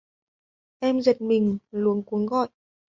Em giật mình luống cuống gọi